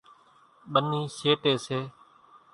ٻنِي سيٽيَ سي۔